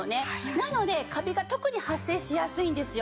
なのでカビが特に発生しやすいんですよ。